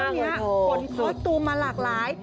สีตัวนี้ผลคอตูมมาหลากหลาย